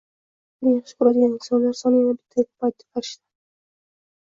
Endi seni yaxshi ko`radiganlar soni yana bittaga ko`paydi, farishtam